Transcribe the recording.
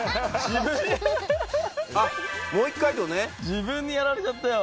自分にやられちゃったよ。